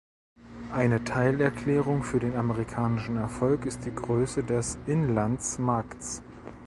Eine Teilerklärung für den amerikanischen Erfolg ist die Größe des Inlandsmarkts.